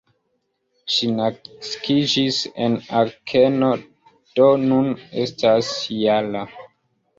Ŝi naskiĝis en Akeno, do nun estas -jara.